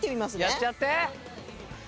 やっちゃって！